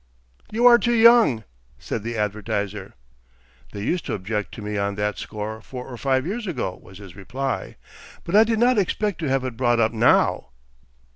"You are too young," said the advertiser. "They used to object to me on that score four or five years ago," was his reply, "but I did not expect to have it brought up now."